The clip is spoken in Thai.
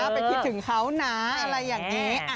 ไปคิดถึงเขานะอะไรอย่างนี้